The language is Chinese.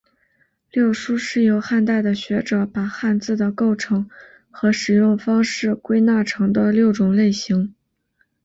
六书是由汉代的学者把汉字的构成和使用方式归纳成的六种类型。